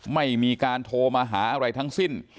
ไม่มีการโทรมาหาอะไรทั้งสิ้น